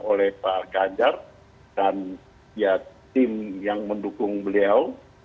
oleh pak ganjar dan ya tim yang mendukung beliau